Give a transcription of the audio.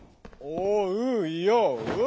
おうよう！